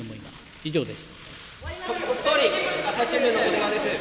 以上です。